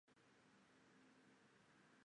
现为国定古迹。